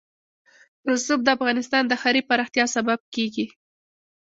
رسوب د افغانستان د ښاري پراختیا سبب کېږي.